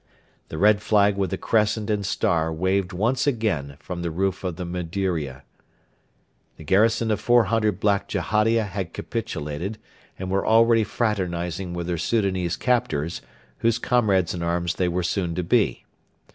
The red flag with the Crescent and star waved once again from the roof of the Mudiria. The garrison of 400 black Jehadia had capitulated, and were already fraternising with their Soudanese captors, whose comrades in arms they were soon to be.